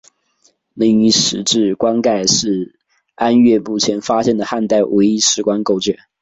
另一石质棺盖是安岳目前发现的汉代唯一石棺构件。